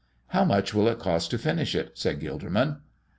"How much will it cost to finish it?" said Gilderman.